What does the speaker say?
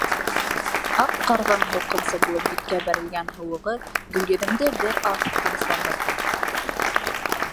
Аҡ ҡарҙың һалҡынса булып биткә бәрелгән һыуығы Гөлйөҙөмдө бер аҙ тынысландырҙы.